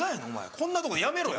こんなとこでやめろや。